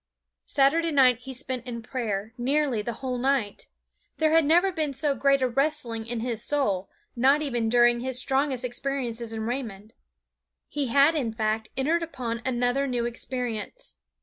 Saturday night he spent in prayer, nearly the whole night. There had never been so great a wrestling in his soul, not even during his strongest experiences in Raymond. He had in fact entered upon another new experience.